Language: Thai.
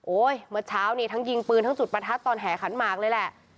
เมื่อเช้านี่ทั้งยิงปืนทั้งจุดประทัดตอนแห่ขันหมากเลยแหละ